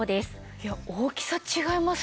いや大きさ違いますしね